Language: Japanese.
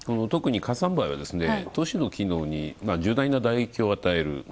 特に火山灰は都市の機能に重大な打撃を与える。